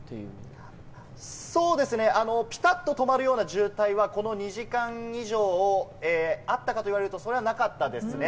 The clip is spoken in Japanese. そうですね、ピタッと止まるような渋滞はこの２時間以上、あったかと言われると、それはなかったんですね。